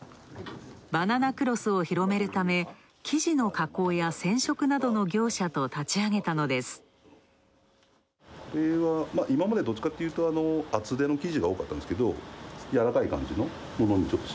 バナナクロスを広めるため、生地の加工や染色などの業者と立ち上げたのです。